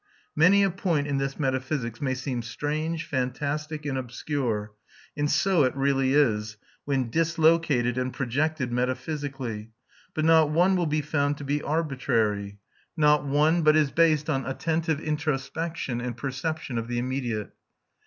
Many a point in this metaphysics may seem strange, fantastic, and obscure; and so it really is, when dislocated and projected metaphysically; but not one will be found to be arbitrary; not one but is based on attentive introspection and perception of the immediate.